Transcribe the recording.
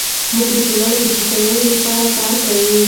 موږ د ټولنې د هوساینې لپاره کار کوو.